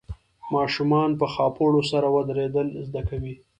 ماشومان په خاپوړو سره ودرېدل زده کوي.